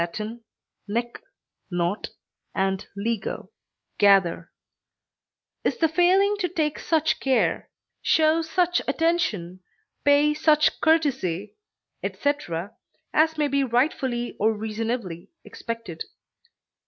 nec, not, and lego, gather) is the failing to take such care, show such attention, pay such courtesy, etc., as may be rightfully or reasonably expected.